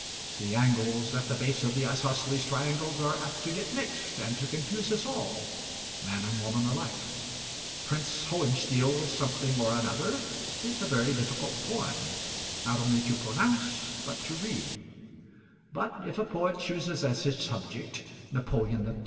The angles at the base of the isosceles triangles are apt to get mixed, and to confuse us all man and woman alike. 'Prince Hohenstiel' something or another is a very difficult poem, not only to pronounce but to read; but if a poet chooses as his subject Napoleon III.